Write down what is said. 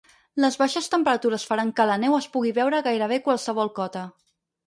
Les baixes temperatures faran que la neu es pugui veure a gairebé qualsevol cota.